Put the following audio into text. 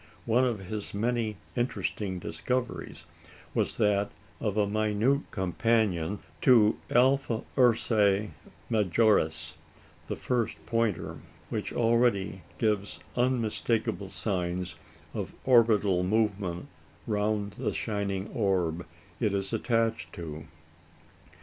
One of his many interesting discoveries was that of a minute companion to Alpha Ursæ Majoris (the first Pointer), which already gives unmistakable signs of orbital movement round the shining orb it is attached to.